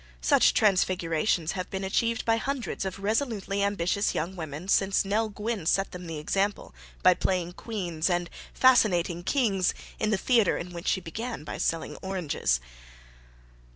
Such transfigurations have been achieved by hundreds of resolutely ambitious young women since Nell Gwynne set them the example by playing queens and fascinating kings in the theatre in which she began by selling oranges.